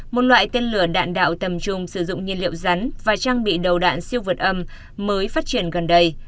một loại tên lửa đạn đạo tầm trung sử dụng nhiên liệu rắn và trang bị đầu đạn siêu vật âm mới phát triển gần đây